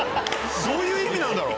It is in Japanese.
どういう意味なんだろう？